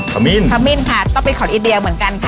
คำมินค่ะต้องเป็นของอินเดียเหมือนกันค่ะ